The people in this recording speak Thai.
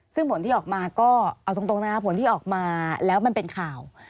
ซึ่งผลที่ออกมาก็เอาตรงนะครับผลที่ออกมาแล้วมันเป็นข่าว